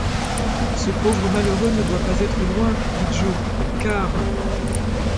Ce pauvre malheureux ne doit pas être loin, dit Joe, car...